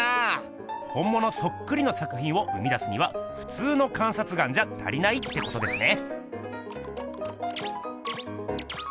ほんものそっくりの作品を生み出すにはふつうの観察眼じゃ足りないってことですね。